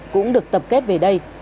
cũng được tập kết về đây